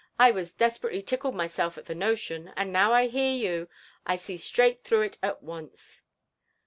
I was despe rately tickled myself at tlie notion ; and now I hear you, I see straigLt through it at once."